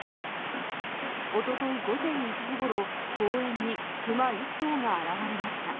おととい午前１時ごろ、公園にクマ１頭が現れました。